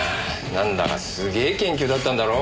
なんだかすげえ研究だったんだろ？